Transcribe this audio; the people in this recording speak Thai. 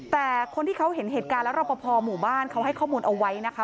แต่คนที่เขาเห็นเหตุการณ์แล้วรอปภหมู่บ้านเขาให้ข้อมูลเอาไว้นะคะ